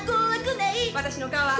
私の顔は？